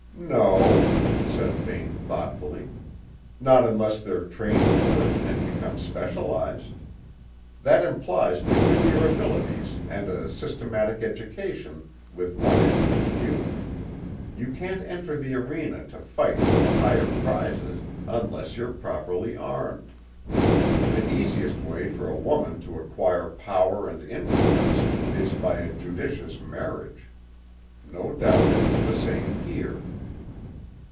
"No," said Vane thoughtfully; "not unless they're trained for it and become specialised. That implies peculiar abilities and a systematic education with one end in view: you can't enter the arena to fight for the higher prizes unless you're properly armed. The easiest way for a woman to acquire power and influence is by a judicious marriage. No doubt it's the same here."